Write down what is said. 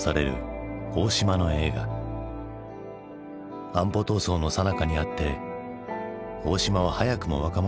安保闘争のさなかにあって大島は早くも若者たちの敗北を描いた。